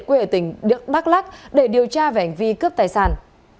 quê ở tỉnh đức đắc lắc để điều tra về hành vi cướp tài sản